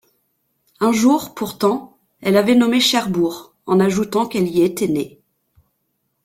Un jour, pourtant, elle avait nommé Cherbourg, en ajoutant qu’elle y était née.